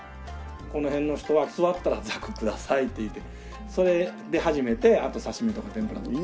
この辺の人は座ったら「ざくください」って言ってそれで始めてあと刺し身とか天ぷら。